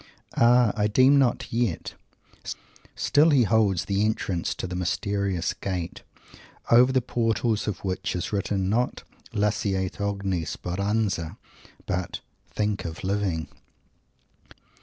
Ah! I deem not yet. Still he holds the entrance to the mysterious Gate, over the portals of which is written, not "Lasciate ogni speranza!" but "Think of Living!"